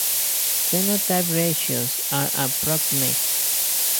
Phenotype ratios are approximate.